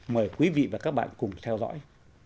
mời quý vị và các bạn cùng theo dõi